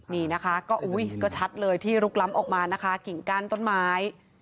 นี่นะคะก็อุ้ยก็ชัดเลยที่ลุกล้ำออกมานะคะกิ่งกั้นต้นไม้